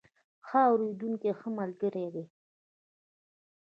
ښه اورېدونکي ښه ملګري دي.